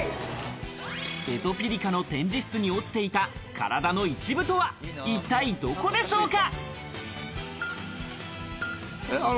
エトピリカの展示室に落ちていた体の一部とは、一体どこでしょうか？